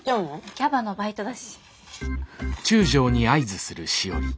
キャバのバイトだし。